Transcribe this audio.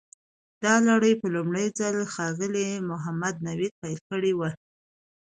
دا لړۍ په لومړي ځل ښاغلي محمد نوید پیل کړې وه.